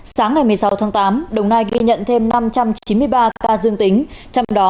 sáng ngày một mươi sáu tháng tám đồng nai ghi nhận thêm năm trăm chín mươi ba ca dương tính trong đó hai mươi chín